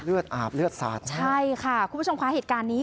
อาบเลือดสาดใช่ค่ะคุณผู้ชมคะเหตุการณ์นี้